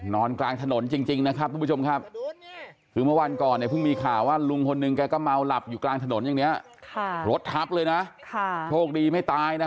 นอนกลางถนนจริงนะครับทุกผู้ชมครับคือเมื่อวันก่อนเนี่ยเพิ่งมีข่าวว่าลุงคนหนึ่งแกก็เมาหลับอยู่กลางถนนอย่างนี้รถทับเลยนะโชคดีไม่ตายนะ